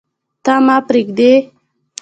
ته، ما پریږدې